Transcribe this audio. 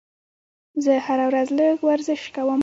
زه هره ورځ لږ ورزش کوم.